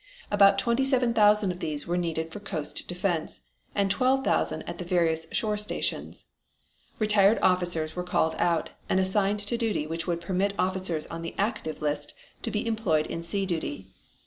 About twenty seven thousand of these were needed for coast defense, and twelve thousand at the various shore stations. Retired officers were called out, and assigned to duty which would permit officers on the active list to be employed in sea duty.